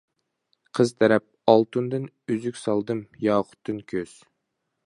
قىز تەرەپ : ئالتۇندىن ئۈزۈك سالدىم، ياقۇتتىن كۆز.